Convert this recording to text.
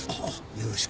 よろしく。